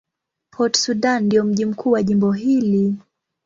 Port Sudan ndio mji mkuu wa jimbo hili.